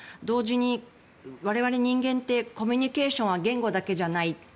同時に我々人間ってコミュニケーションは言語だけじゃない。